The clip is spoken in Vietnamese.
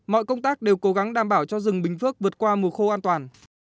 mọi công tác đều cố gắng đảm bảo cho rừng bình phước vượt qua mùa khô an toàn